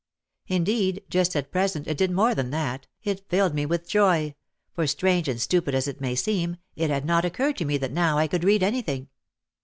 Indeed just at present it did more than that, it filled me with joy, for, strange and stupid as it may seem, it had not occurred to me that now I could read anything.